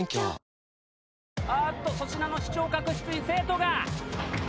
あっと粗品の視聴覚室に生徒が！